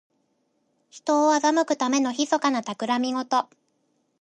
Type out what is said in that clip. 人を欺くためのひそかなたくらみごと。